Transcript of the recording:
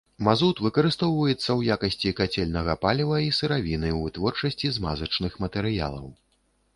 Мазут выкарыстоўваецца ў якасці кацельнага паліва і сыравіны ў вытворчасці змазачных матэрыялаў.